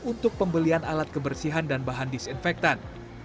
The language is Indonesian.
untuk pembelian alat kebersihan dan bahan disinfektan